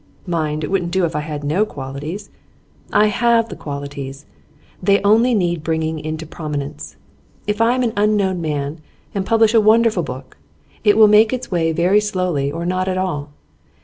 Mind, it wouldn't do if I had no qualities. I have the qualities; they only need bringing into prominence. If I am an unknown man, and publish a wonderful book, it will make its way very slowly, or not at all.